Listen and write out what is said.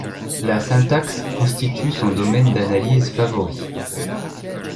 La syntaxe constitue son domaine d'analyse favori.